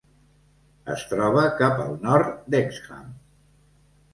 Es troba cap al nord d'Hexham.